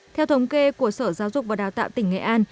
theo thống kê của sở giáo dục và đào tạo tỉnh nghệ an